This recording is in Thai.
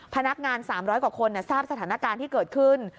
พนักงาน๓๐๐กว่าคนทราบสถานการณ์ที่เกิดขึ้น